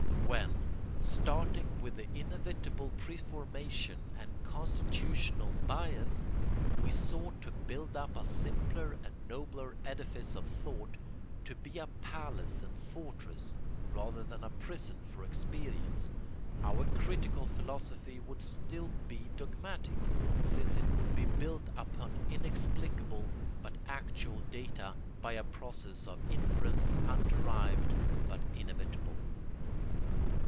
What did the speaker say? When, starting with the inevitable preformation and constitutional bias, we sought to build up a simpler and nobler edifice of thought, to be a palace and fortress rather than a prison for experience, our critical philosophy would still be dogmatic, since it would be built upon inexplicable but actual data by a process of inference underived but inevitable.